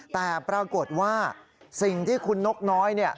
แต่ปรากฏว่าสิ่งที่คุณนกน้อยเนี่ย